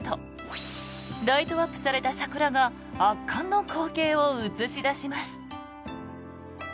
夜になるとライトアップされた桜が圧巻の光景を映し出します。